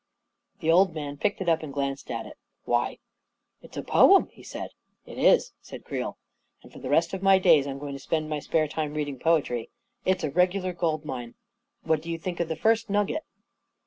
The old man picked it up and glanced at it. " Why, it's a poem I " he said. " It is," said Creel; " and for the rest of my days, I'm going to spend my spare time reading poetry. It's a regular gold mine 1 What do you think of the first nugget?